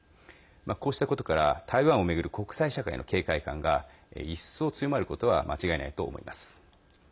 こうしたことから台湾を巡る国際社会の警戒感が一層強まることは間違いないと思います。